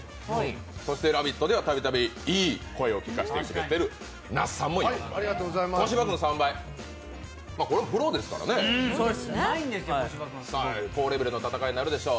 そして「ラヴィット！」では度々いい声を聴かせてくれる那須さんも４倍小柴君、３倍、これはプロですからね高レベルの戦いになるでしょう。